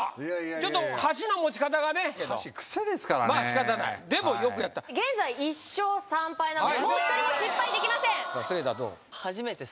ちょっと箸の持ち方がね箸癖ですからねまあしかたないでもよくやった現在１勝３敗なのでもう１人も失敗できません菅田どう？